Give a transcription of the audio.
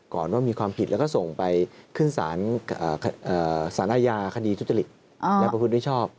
ก่อนว่ามีความผิดแล้วก็ส่งไปขึ้นสารอาญาคดีทุจริตและประพฤติโดยชอบ